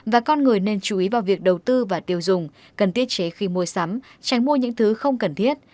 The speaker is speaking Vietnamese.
và con người nên chú ý vào việc đầu tư và tiêu dùng cần thiết chế khi mua sắm tránh mua những thứ không cần thiết